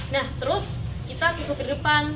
nah terus kita ke supir depan